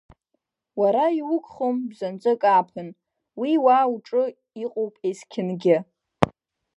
Уара иугхом бзанҵык ааԥын, уи уа уҿы иҟоуп есқьынгьы.